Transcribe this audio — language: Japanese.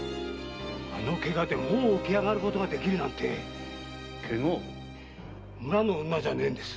あの怪我でもう起き上がることができるなんて。怪我？村の女じゃねえんです。